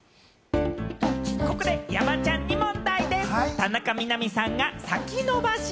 ここで山ちゃんに問題です。